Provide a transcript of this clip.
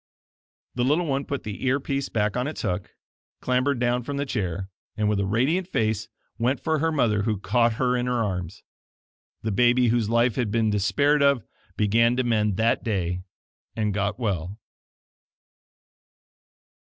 The little one put the ear piece back on its hook, clambered down from the chair, and with a radiant face, went for her mother, who caught her in her arms. The baby whose life had been despaired of, began to mend that day and got well.